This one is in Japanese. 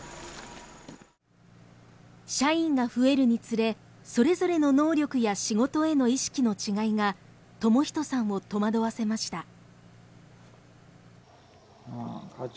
社員が増えるにつれそれぞれの能力や仕事への意識の違いが智仁さんを戸惑わせました。